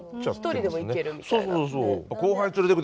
一人でも行けるみたいな。